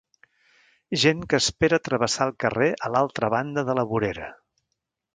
Gent que espera a travessar el carrer a l'altra banda de la vorera.